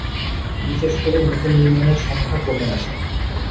বিশেষ করে, নতুন নির্মাণের সংখ্যা কমে আসে।